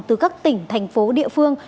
từ các tỉnh thành phố địa phương